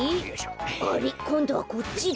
あれっこんどはこっちだ。